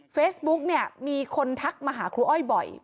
เฟซบุ๊กเนี่ยมีคนทักมาหาครูอ้อยบ่อย